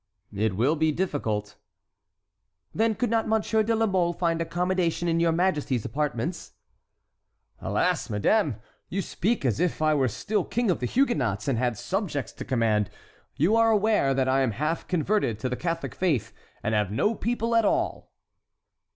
"It will be difficult." "Then could not Monsieur de la Mole find accommodation in your majesty's apartments?" "Alas, madame! you speak as if I were still King of the Huguenots, and had subjects to command. You are aware that I am half converted to the Catholic faith and have no people at all."